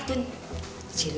pakai celana cuti berai